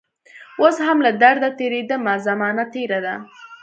اوس هم له درده تیریدمه زمانه تیره ده